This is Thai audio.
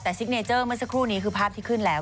แต่ซิกเนเจอร์เมื่อสักครู่นี้คือภาพที่ขึ้นแล้ว